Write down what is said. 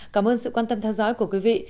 cảm ơn sự quan tâm theo dõi của quý vị